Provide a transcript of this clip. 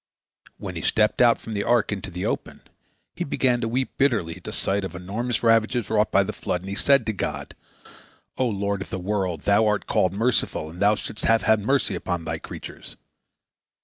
When he stepped out from the ark into the open, he began to weep bitterly at sight of the enormous ravages wrought by the flood, and he said to God: "O Lord of the world! Thou art called the Merciful, and Thou shouldst have had mercy upon Thy creatures."